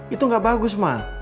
itu gak bagus ma